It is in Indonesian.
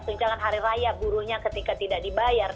tunjangan hari raya buruhnya ketika tidak dibayar